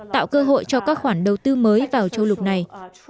tạo cơ hội cho các khoản đầu tư mới vào châu lục này